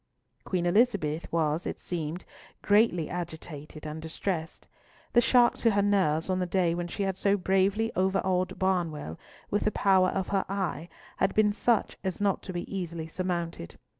Queen Elizabeth was, it seemed, greatly agitated and distressed. The shock to her nerves on the day when she had so bravely overawed Barnwell with the power of her eye had been such as not to be easily surmounted.